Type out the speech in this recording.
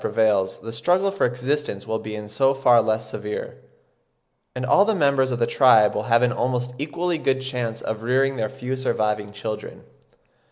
prevails the struggle for existence will be in so far less severe, and all the members of the tribe will have an almost equally good chance of rearing their few surviving children.